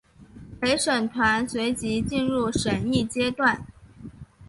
陪审团随即进入审议阶段。